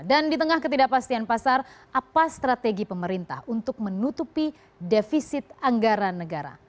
dan di tengah ketidakpastian pasar apa strategi pemerintah untuk menutupi defisit anggaran negara